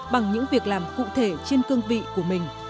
bằng những việc làm cụ thể trên cương vị của mình